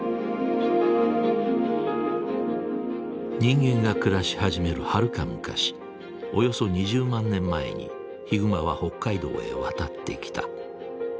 人間が暮らし始めるはるか昔およそ２０万年前にヒグマは北海道へ渡ってきた。